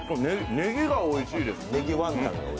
ねぎがおいしいです。